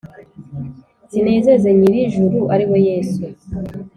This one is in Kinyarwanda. Zinezeze Nyirijuru ariwe yesu .